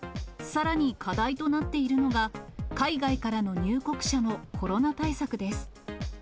さらに課題となっているのが、海外からの入国者のコロナ対策です。